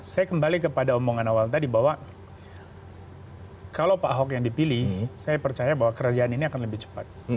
saya kembali kepada omongan awal tadi bahwa kalau pak ahok yang dipilih saya percaya bahwa kerajaan ini akan lebih cepat